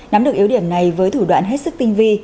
nắm được yếu điểm này với thủ đoạn hết sức tinh vi